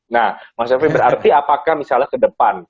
nah mas syafri berarti apakah misalnya ke depan